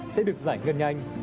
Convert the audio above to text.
sẽ được giải ngân nhanh